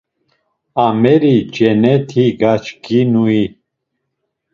Ameri ceneti gaçkinui?